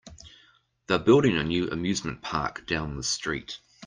They're building a new amusement park down the street.